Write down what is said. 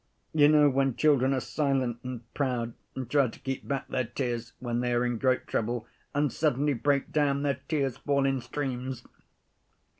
You know, when children are silent and proud, and try to keep back their tears when they are in great trouble and suddenly break down, their tears fall in streams.